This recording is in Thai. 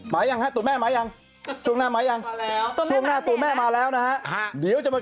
มายังฮะตัวแม่มายังช่วงหน้ามายังช่วงหน้าตัวแม่มาแล้วนะฮะเดี๋ยวจะมา